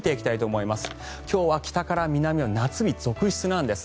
今日は、北から南で夏日続出なんです。